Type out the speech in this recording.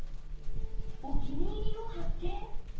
お気に入りを発見。